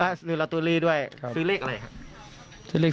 นึรัตุรีด้วยซื้อเลขอะไรหรือหรือ